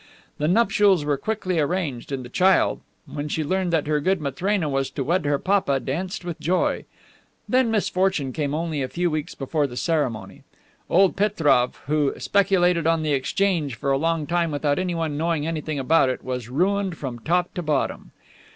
The nuptials were quickly arranged, and the child, when she learned that her good Matrena was to wed her papa, danced with joy. Then misfortune came only a few weeks before the ceremony. Old Petroff, who speculated on the Exchange for a long time without anyone knowing anything about it, was ruined from top to bottom.